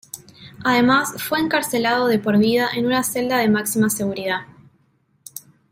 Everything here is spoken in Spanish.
Además fue encarcelado de por vida en una celda de máxima seguridad.